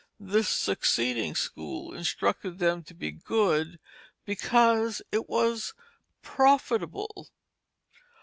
This succeeding school instructed them to be good because it was profitable.